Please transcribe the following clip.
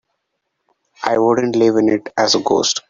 I wouldn't live in it as a ghost.